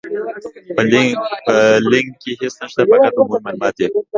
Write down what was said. په لينک کې هيڅ نشته، فقط عمومي مالومات دي.